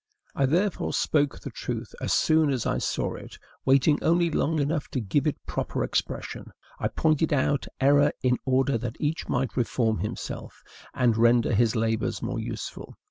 I therefore spoke the truth as soon as I saw it, waiting only long enough to give it proper expression. I pointed out error in order that each might reform himself, and render his labors more useful.